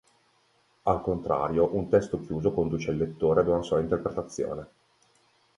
Al contrario, un testo chiuso conduce il lettore ad una sola interpretazione.